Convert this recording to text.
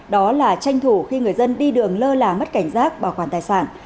đó là tranh thủ khi người dân đi đường lơ là mất cảnh giác bảo quản tài sản